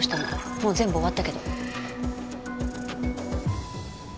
もう全部終わったけど。